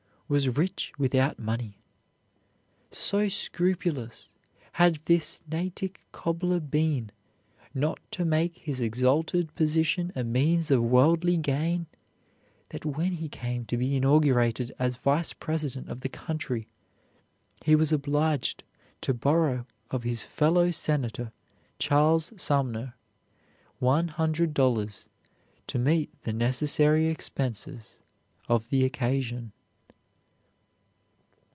was rich without money. So scrupulous had this Natick cobbler been not to make his exalted position a means of worldly gain, that when he came to be inaugurated as Vice President of the country, he was obliged to borrow of his fellow senator, Charles Sumner, one hundred dollars to meet the necessary expenses of the occasion.